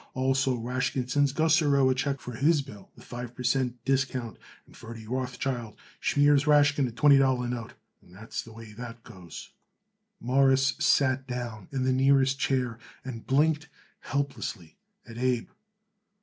Also Rashkin sends Gussarow a check for his bill with five per cent. discount, and Ferdy Rothschild schmiers Rashkin a twenty dollar note, and that's the way it goes." Morris sat down in the nearest chair and blinked helplessly at Abe.